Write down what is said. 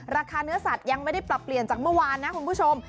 ราคาเนื้อสัตว์ยังไม่ได้ปรับเปลี่ยนจากเมื่อวานนะคุณผู้ชม